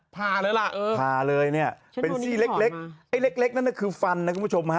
พาแล้วล่ะพาเลยเนี่ยเป็นซี่เล็กไอ้เล็กนั่นน่ะคือฟันนะคุณผู้ชมฮะ